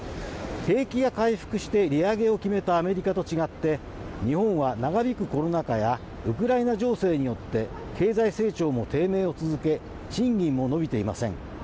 景気が回復して利上げを決めたアメリカと違って日本は長引くコロナ禍やウクライナ情勢によって経済成長も低迷を続け賃金も伸びていません。